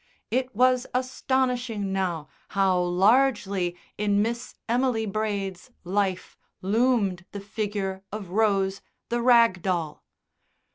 It was astonishing now how largely in Miss Emily Braid's life loomed the figure of Rose, the rag doll.